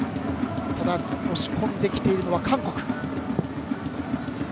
ただ押し込んできているのは韓国。